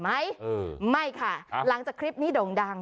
มีคลิปใหม่ไหมไม่ค่ะหลังจากคลิปนี้โด่งดัง